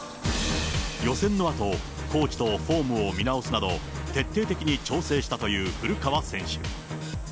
予選のあと、コーチとフォームを見直すなど、徹底的に調整したという古川選手。